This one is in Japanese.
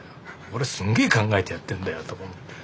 「俺すんげえ考えてやってんだよ！」とか思って。